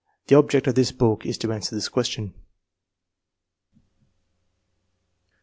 The object of this book is to answer this question.